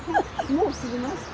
もう過ぎました。